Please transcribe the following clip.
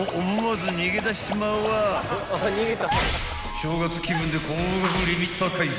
［正月気分で高額リミッター解除］